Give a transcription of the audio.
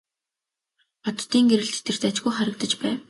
Оддын гэрэлд тэр дажгүй харагдаж байв.